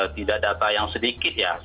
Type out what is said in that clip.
tidak data yang sedikit ya